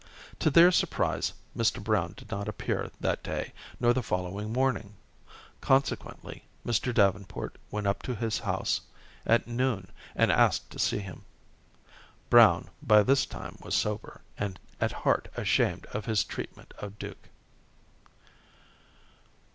To their surprise, Mr. Brown did not appear that day, nor the following morning. Consequently, Mr. Davenport went up to his house at noon, and asked to see him. Brown by this time was sober, and at heart ashamed of his treatment of Duke.